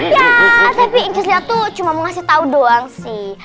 ya tapi inqisliah itu cuma mau ngasih tau doang sih